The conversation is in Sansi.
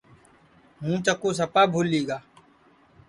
ہُوں چکُو سپا بھولی گا